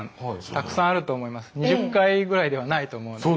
２０回ぐらいではないと思うので。